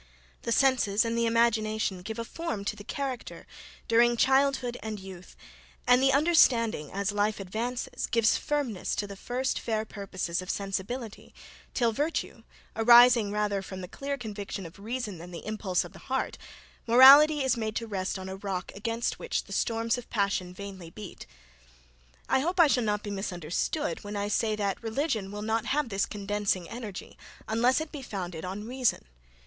The senses and the imagination give a form to the character, during childhood and youth; and the understanding as life advances, gives firmness to the first fair purposes of sensibility till virtue, arising rather from the clear conviction of reason than the impulse of the heart, morality is made to rest on a rock against which the storms of passion vainly beat. I hope I shall not be misunderstood when I say, that religion will not have this condensing energy, unless it be founded on reason.